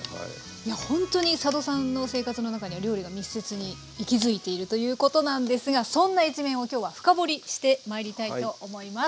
いやほんとに佐渡さんの生活の中には料理が密接に息づいているということなんですがそんな一面を今日は深掘りしてまいりたいと思います。